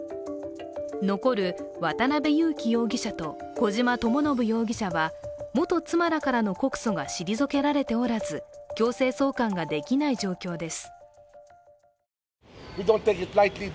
残る渡辺優樹容疑者と小島智信容疑者は元妻らからの告訴が退けられておらず、強制送還ができない状況です。